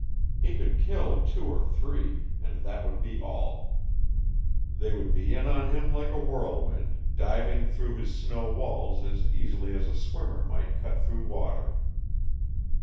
He could kill two or three and that would be all. They would be in on him like a whirlwind, diving through his snow walls as easily as a swimmer might cut through water.